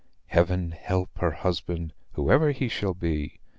Heaven help her husband, whoever he shall be!